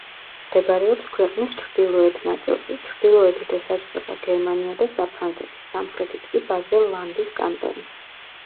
მდებარეობს ქვეყნის ჩრდილოეთ ნაწილში, ჩრდილოეთით ესაზღვრება გერმანია და საფრანგეთი, სამხრეთით კი ბაზელ-ლანდის კანტონი.